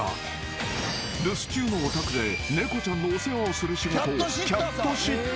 ［留守中のお宅で猫ちゃんのお世話をする仕事］